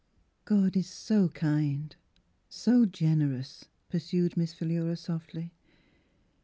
*' God is so kind, so generous !" pursued Miss Philura softly.